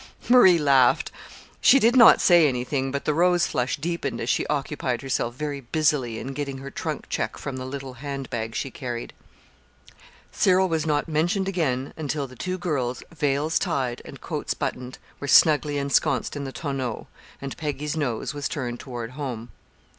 Marie laughed. She did not say anything, but the rose flush deepened as she occupied herself very busily in getting her trunk check from the little hand bag she carried. Cyril was not mentioned again until the two girls, veils tied and coats buttoned, were snugly ensconced in the tonneau, and Peggy's nose was turned toward home.